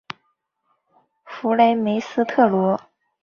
弗雷梅斯特罗。